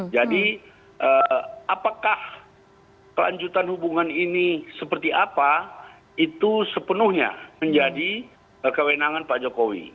jadi apakah kelanjutan hubungan ini seperti apa itu sepenuhnya menjadi kewenangan pak jokowi